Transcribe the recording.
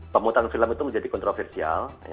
pemutaran film itu menjadi kontroversial